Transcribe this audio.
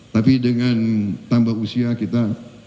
tapi dengan tambah usia kita